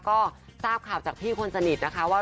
ก็ทราบข่าวจากพี่คนสนิทนะคะว่า